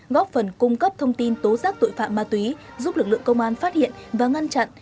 góp phần cung cấp thông tin tố giác tội phạm ma túy giúp lực lượng công an phát hiện và ngăn chặn